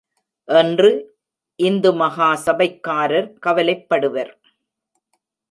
என்று இந்து மகாசபைக்காரர் கவலைப்படுவர்.